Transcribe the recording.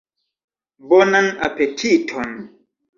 Bonan apetiton!